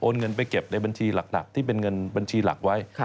เงินไปเก็บในบัญชีหลักที่เป็นเงินบัญชีหลักไว้